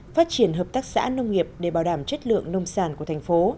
phát triển hợp tác xã nông nghiệp để bảo đảm chất lượng nông sản của thành phố